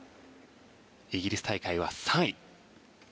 イギリス大会は３位。